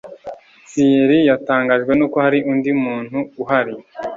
Thierry yatangajwe nuko hari undi muntu uhari